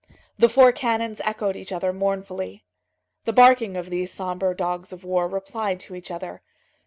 The four cannons echoed each other mournfully. The barking of these sombre dogs of war replied to each other.